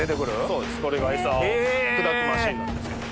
そうですこれが餌を砕くマシンなんですけど。